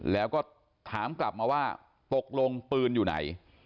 แล้วก็ถามกลับมาว่าตกลงปืนอยู่ไหน